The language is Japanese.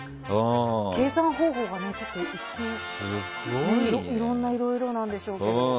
計算方法がいろいろなんでしょうけど。